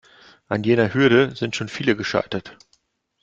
An jener Hürde sind schon viele gescheitert.